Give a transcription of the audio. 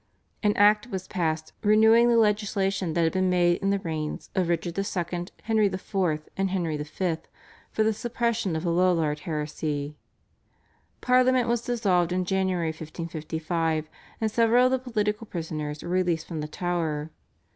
An Act was passed renewing the legislation that had been made in the reigns of Richard II., Henry IV., and Henry V. for the suppression of the Lollard heresy. Parliament was dissolved in January 1555, and several of the political prisoners were released from the Tower.